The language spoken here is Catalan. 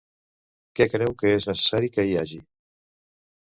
Què creu que és necessari que hi hagi?